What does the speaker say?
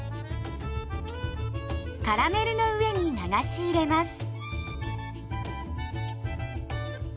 カラメルの上に流し入れます。